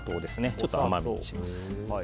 ちょっと甘くします。